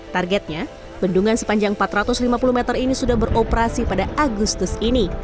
targetnya bendungan sepanjang empat ratus lima puluh meter ini sudah beroperasi pada agustus ini